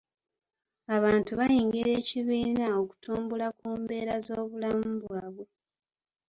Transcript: Abantu baayingira ekibiina okutumbula ku mbeera z'obulamu bwabwe.